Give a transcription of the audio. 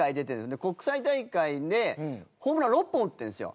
で国際大会でホームラン６本打ってるんですよ。